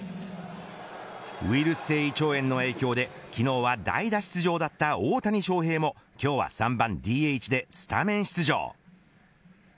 ウイルス性胃腸炎の影響で昨日は代打出場だった大谷翔平も今日は３番ＤＨでスタメン出場。